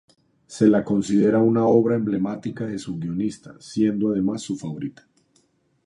Se la considera una obra emblemática de su guionista, siendo además su favorita.